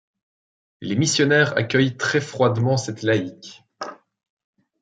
Les missionnaires accueillent très froidement cette laïque.